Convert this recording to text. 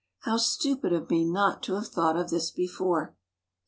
How stupid of me not to have thought of this before